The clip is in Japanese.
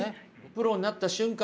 プロになった瞬間